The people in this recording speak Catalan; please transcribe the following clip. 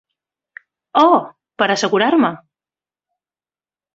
Oh, per assegurar-me!